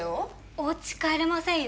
おうち帰れませんよ